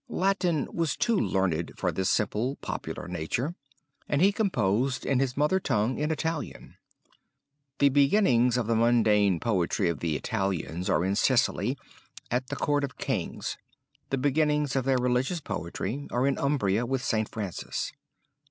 Latin was too learned for this simple, popular nature, and he composed in his mother tongue, in Italian. The beginnings of the mundane poetry of the Italians are in Sicily, at the court of kings; the beginnings of their religious poetry are in Umbria, with St. Francis.